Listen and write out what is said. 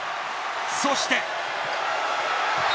そして。